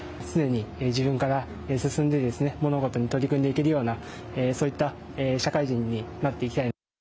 常に自分から進んでものごとに取り組んでいけるようなそういった社会人になっていきたいです。